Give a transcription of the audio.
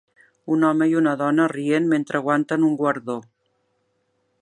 Un home i una dona rient mentre aguanten un guardó.